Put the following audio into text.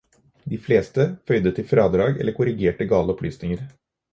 De fleste føyde til fradrag eller korrigerte gale opplysninger.